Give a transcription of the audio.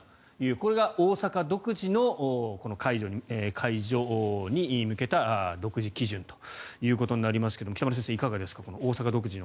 これが大阪独自の解除に向けた独自基準ということになりますが北村先生、いかがですか。